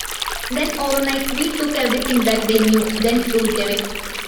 Then overnight we took everything that they knew, then threw it away.